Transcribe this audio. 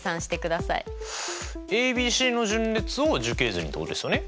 ａｂｃの順列を樹形図にってことですよね。